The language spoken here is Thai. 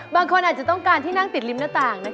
บางคนอาจจะต้องการที่นั่งติดริมหน้าต่าง